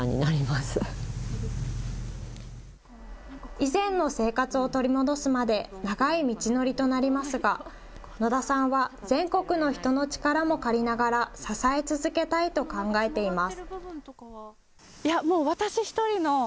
以前の生活を取り戻すまで長い道のりとなりますが、野田さんは全国の人の力も借りながら、支え続けたいと考えています。